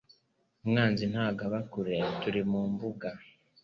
umwanzi ntago aba kure turi mumbuga